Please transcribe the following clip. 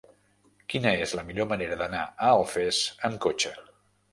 Quina és la millor manera d'anar a Alfés amb cotxe?